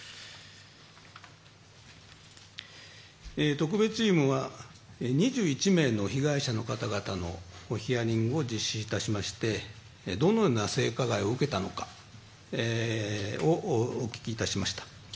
特別チームは２１名の被害者の方々のヒアリングを実施いたしましてどのような性加害を受けたのかお聞きしました。